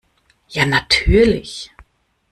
Ja, natürlich!